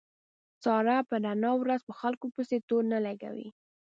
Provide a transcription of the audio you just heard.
ساره په رڼا ورځ په خلکو پسې تورو نه لګوي.